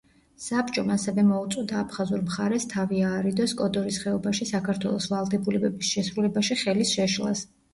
საბჭომ, ასევე მოუწოდა აფხაზურ მხარეს თავი აარიდოს კოდორის ხეობაში საქართველოს ვალდებულებების შესრულებაში ხელის შეშლას.